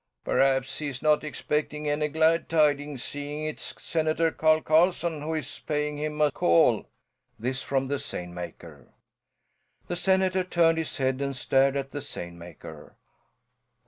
"Perhaps he's not expecting any glad tidings, seeing it's Senator Carl Carlson who is paying him a call." This from the seine maker. The senator turned his head and stared at the seine maker.